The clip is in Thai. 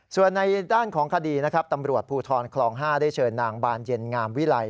ส่วนในด้านของคดีนะครับตำรวจภูทรคลอง๕ได้เชิญนางบานเย็นงามวิลัย